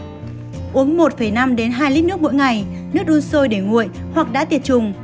uống một năm đến hai lít nước mỗi ngày nước đun sôi để nguội hoặc đã tiệt trùng